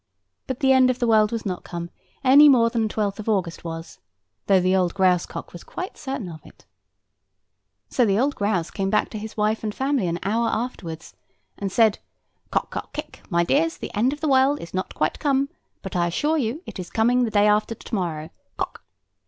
But the end of the world was not come, any more than the twelfth of August was; though the old grouse cock was quite certain of it. [Picture: The grouse] So the old grouse came back to his wife and family an hour afterwards, and said solemnly, "Cock cock kick; my dears, the end of the world is not quite come; but I assure you it is coming the day after to morrow—cock."